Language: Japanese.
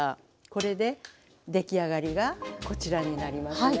これで出来上がりがこちらになりますね。